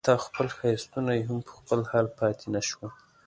حتی خپل ښایستونه یې هم په خپل حال پاتې نه شول.